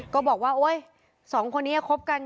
ก็บอกว่าสองคนนี้ครบกัน